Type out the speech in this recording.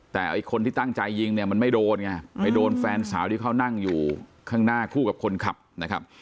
แต่ไอ้คนที่ตั้งใจยิงเนี่ยมันไม่โดนไงไปโดนแฟนสาวที่เขานั่งอยู่ข้างหน้าคู่กับคนขับนะครับ